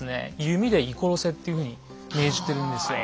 弓で射殺せっていうふうに命じてるんですよ。